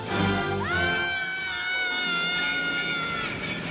うわ！